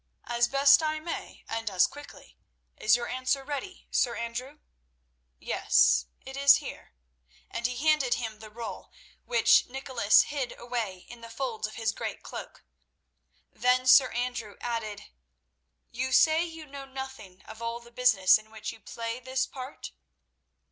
"As best I may, and as quickly. Is your answer ready, Sir Andrew?" "Yes; it is here," and he handed him the roll, which Nicholas hid away in the folds of his great cloak. Then Sir Andrew added, "You say you know nothing of all the business in which you play this part?"